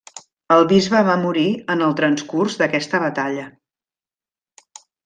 El bisbe va morir en el transcurs d'aquesta batalla.